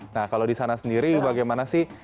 nah kalau di sana sendiri bagaimana sih